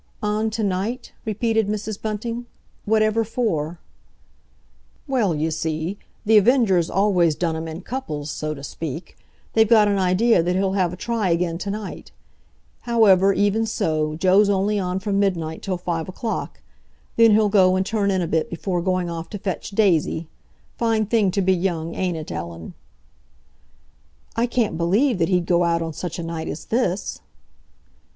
"On to night?" repeated Mrs. Bunting. "Whatever for?" "Well, you see, The Avenger's always done 'em in couples, so to speak. They've got an idea that he'll have a try again to night. However, even so, Joe's only on from midnight till five o'clock. Then he'll go and turn in a bit before going off to fetch Daisy, Fine thing to be young, ain't it, Ellen?" "I can't believe that he'd go out on such a night as this!"